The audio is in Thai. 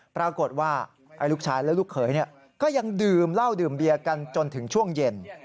ปรากฏว่าลูกชายและลูกเขยก็ยังดื่มเหล้าดื่มเบียร์กันจนถึงช่วงเย็น